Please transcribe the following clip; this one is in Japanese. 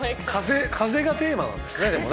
風がテーマですね。